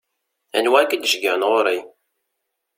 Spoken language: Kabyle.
Anwa i k-id-iceggɛen ɣur-i?